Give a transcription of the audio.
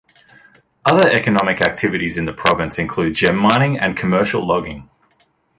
Other economic activities in the province include gem mining and commercial logging.